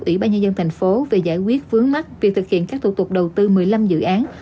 ủy ban nhân dân thành phố về giải quyết vướng mắt việc thực hiện các thủ tục đầu tư một mươi năm dự án